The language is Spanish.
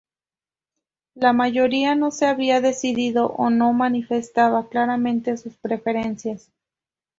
La mayoría no se había decidido o no manifestaba claramente sus preferencias.